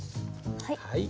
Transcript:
はい。